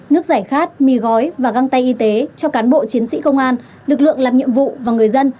nước giải khát mì gói và găng tay y tế cho cán bộ chiến sĩ công an lực lượng làm nhiệm vụ và người dân